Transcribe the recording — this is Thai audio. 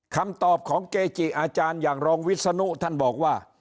คำตอบของเกจิอาจารย์อย่างรองวิศนุท่านบอกว่า